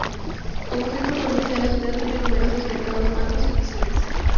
Como centro provincial, la ciudad tiene numerosos mercados, bancos y oficinas.